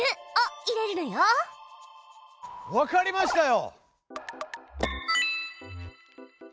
わかりましたよ！